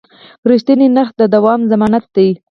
رښتیني نرخ د دوام ضمانت دی.